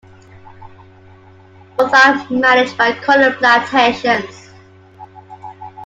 Both are managed by Cornell Plantations.